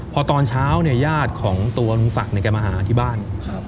พอตอนเช้าเนี่ยญาติของตัวลุงศักดิ์แกมาหาที่บ้าน